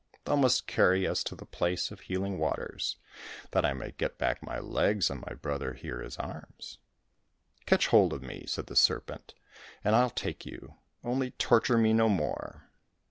Thou must carry us to the place of healing waters, that I may get back my legs and my brother here his arms." " Catch hold of me," said the serpent, " and I'll take you, only torture me no more."